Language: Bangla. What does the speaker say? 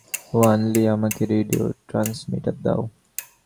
ওয়ানলি, আমাকে রেডিও ট্রান্সমিটার দাও।